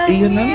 ibu yang tenang